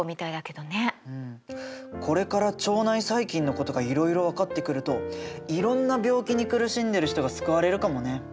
これから腸内細菌のことがいろいろ分かってくるといろんな病気に苦しんでる人が救われるかもね。